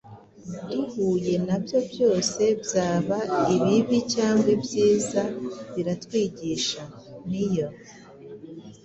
duhuye na byo byose, byaba ibibi cyangwa ibyiza biratwigisha. Ni yo